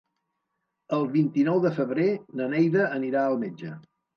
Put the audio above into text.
El vint-i-nou de febrer na Neida anirà al metge.